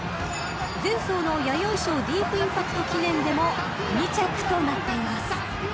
［前走の弥生賞ディープインパクト記念でも２着となっています］